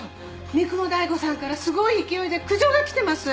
三雲大悟さんからすごい勢いで苦情が来てます。